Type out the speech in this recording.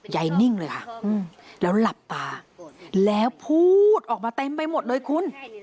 นิ่งเลยค่ะแล้วหลับตาแล้วพูดออกมาเต็มไปหมดเลยคุณ